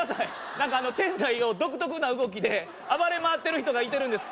何かあの店内を独特な動きで暴れまわってる人がいてるんです